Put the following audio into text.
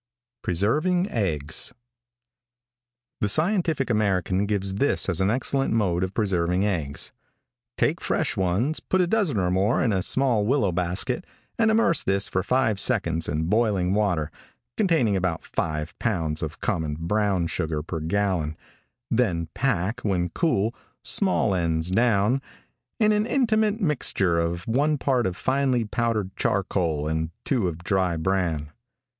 PRESERVING EGGS. |THE Scientific American gives this as an excellent mode of preserving eggs: "Take fresh, ones, put a dozen or more into a small willow basket, and immerse this for five seconds in boiling water, containing about five pounds of common brown sugar per gallon, then pack, when cool, small ends down, in an intimate mixture of one part of finely powdered charcoal and two of dry bran.